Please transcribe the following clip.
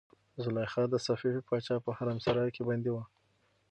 زلیخا د صفوي پاچا په حرمسرای کې بندي وه.